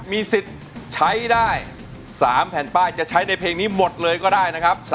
มีสิทธิ์ใช้ได้๓แผ่นป้ายจะใช้ในเพลงนี้หมดเลยก็ได้นะครับ